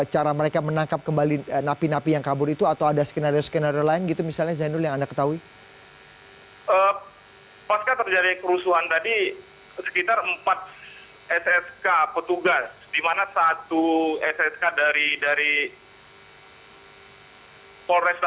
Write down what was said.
pada hari ini para napi kabur di jalan harapan raya telah berjalan ke tempat yang terkenal